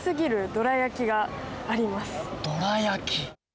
どら焼き。